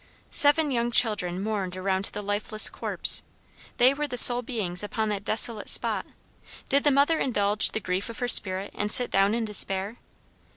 Seven young children mourned around the lifeless corpse. They were the sole beings upon that desolate spot. Did the mother indulge the grief of her spirit, and sit down in despair?